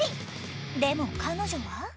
でも彼女は。